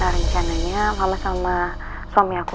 rencananya mama sama suami aku